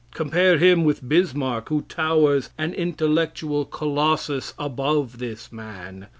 Compare him with Bismarck, who towers, an intellectual Colossus, above this man.